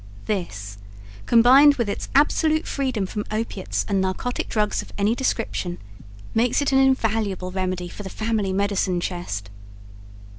This, combined with its absolute freedom from opiates and narcotic drugs of any description, makes it an invaluable remedy for the family medicine chest.